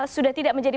sudah tidak menjadi